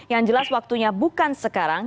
yang jelas waktunya bukan sekarang